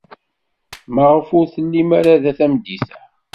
Maɣef ur tellim ara da tameddit-a?